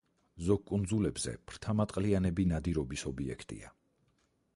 ზოგ კუნძულებზე ფრთამატყლიანები ნადირობის ობიექტია.